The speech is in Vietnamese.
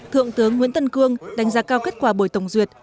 thượng tướng nguyễn tân cương đánh giá cao kết quả buổi tổng duyệt